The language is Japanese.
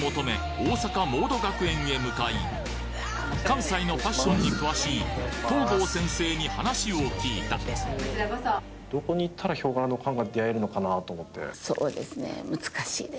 大阪モード学園へ向かい関西のファッションに詳しい東郷先生に話を聞いたファストファッション？